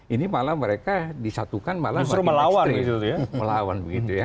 ini malah mereka disatukan malah melawan